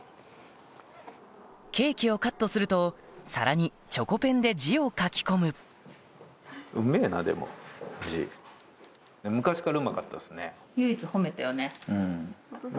ケーキをカットすると皿にチョコペンで字を書き込むそうしたら。